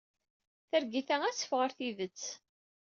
Targit-a ad teffeɣ ɣer tidet.